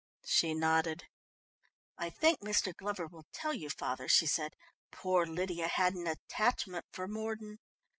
She nodded. "I think Mr. Glover will tell you, father," she said. "Poor Lydia had an attachment for Mordon.